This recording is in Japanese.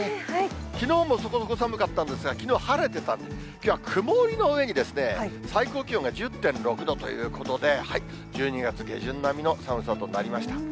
きのうもそこそこ寒かったんですが、きのう晴れてた、きょうは曇りのうえに、最高気温が１０．６度ということで、１２月下旬並みの寒さとなりました。